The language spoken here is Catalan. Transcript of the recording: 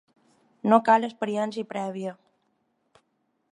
No cal experiència prèvia.